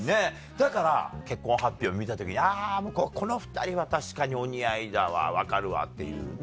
だから結婚発表見た時にあぁこの２人は確かにお似合いだわ分かるわっていうね。